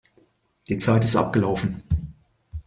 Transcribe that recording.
Die Zeit ist abgelaufen.